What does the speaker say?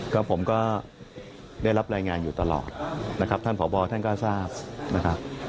ก็ผมก็ได้รับรายงานอยู่ตลอดนะครับท่านผอบอท่านก็ทราบนะครับ